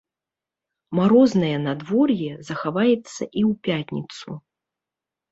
Марознае надвор'е захаваецца і ў пятніцу.